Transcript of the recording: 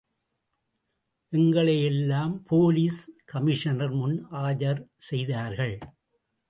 எங்களையெல்லாம் police commissioner முன் ஆஜர் செய்தார்கள்.